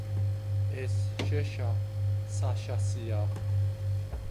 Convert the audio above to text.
ეს შეშა საშასია...